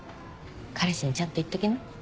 彼氏にちゃんと言っときな。